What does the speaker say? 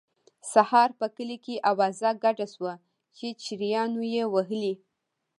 سهار په کلي کې اوازه ګډه شوه چې چړیانو یې وهلی.